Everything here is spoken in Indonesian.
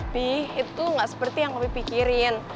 pi itu gak seperti yang aku pikirin